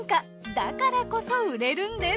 だからこそ売れるんです。